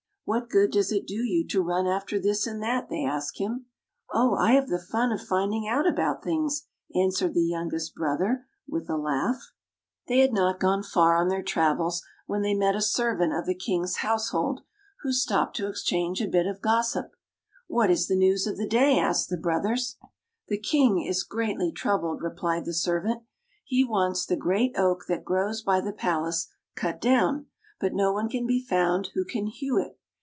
" What good does it do you to run after this and that?'' they asked him. " Oh, I have the fun of finding out about things," answered the youngest brother with a laugh. [ 109 ] FAVORITE FAIRY TALES RETOLD They had not gone far on their travels when they met a servant of the King's household, who stopped to exchange a bit of gossip. " What is the news of the day? " asked the brothers. " The King is greatly troubled," replied the servant. " He wants the great oak that grows by the palace cut down, but no one can be found who can hew it.